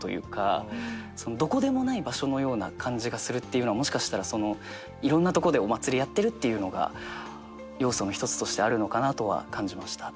どこでもない場所のような感じがするっていうのはもしかしたらいろんなとこでお祭りやってるっていうのが要素の１つとしてあるのかなとは感じました。